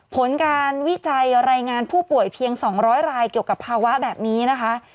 ผลการวิจัยรายงานผู้ป่วยเพียง๒๐๐รายเกี่ยวกับภาวะแบบนี้นะคะ